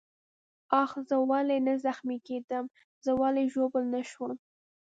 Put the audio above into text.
آخ، زه ولې نه زخمي کېدم؟ زه ولې ژوبل نه شوم؟